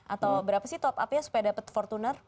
atau berapa sih top upnya supaya dapat fortuner